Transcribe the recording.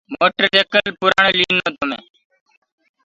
موٽر سيڪل مينٚ پُرآڻو ليٚنو تو۔